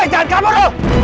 woy jangan kabur